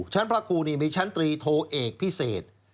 ชั้นพระครูนี้มีชั้น๓โทเอกพิเศษ